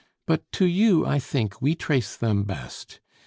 But to you, I think, we trace them best.